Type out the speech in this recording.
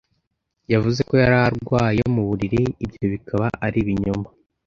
Yavuze ko yari arwaye mu buriri, ibyo bikaba ari ibinyoma.